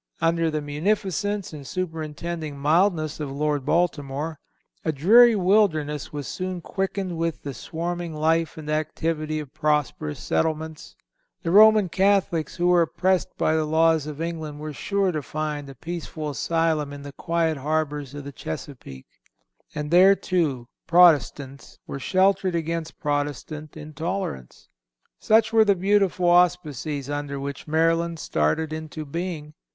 Under the munificence and superintending mildness of Lord Baltimore, a dreary wilderness was soon quickened with the swarming life and activity of prosperous settlements; the Roman Catholics who were oppressed by the laws of England were sure to find a peaceful asylum in the quiet harbors of the Chesapeake; and there too, Protestants were sheltered against Protestant intolerance. Such were the beautiful auspices under which Maryland started into being....